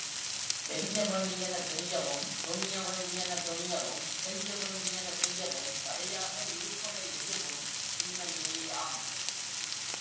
தெரியவேண்டியன தெரியவும், துணிய வேண்டியன துணியவும் செய்ய வேண்டியன செய்யவும் தடையாக இருப்பவை எதுவும் தீமையேயாம்.